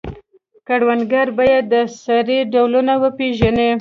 کروندګر باید د سرې ډولونه وپیژني.